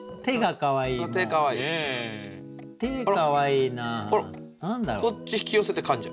かわいいな！